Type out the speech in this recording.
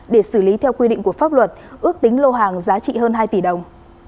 để xử lý theo quy định của pháp luật ước tính lô hàng giá trị hơn hai tỷ đồng